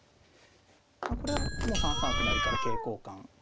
これはもう３三歩成から桂交換。